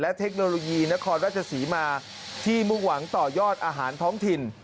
เทคโนโลยีนครราชศรีมาที่มุ่งหวังต่อยอดอาหารท้องถิ่น